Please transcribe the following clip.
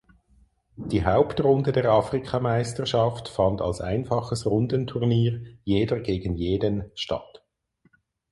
Die Hauptrunde der Afrikameisterschaft fand als einfaches Rundenturnier (Jeder gegen Jeden) statt.